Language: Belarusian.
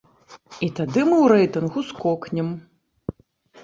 І тады мы ў рэйтынгу скокнем!